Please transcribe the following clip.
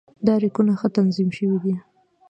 دا ریکونه ښه تنظیم شوي دي.